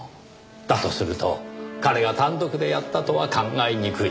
だとすると彼が単独でやったとは考えにくい。